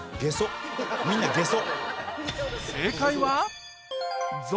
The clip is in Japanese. みんなゲソ。